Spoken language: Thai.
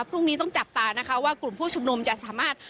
พรุ่งนี้ต้องจับตานะคะว่ากลุ่มผู้ชุมนุมจะสามารถ